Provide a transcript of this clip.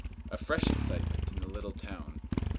A fresh excitement in the little town.